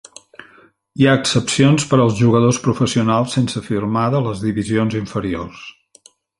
Hi ha excepcions per als jugadors professionals sense firmar de les divisions inferiors.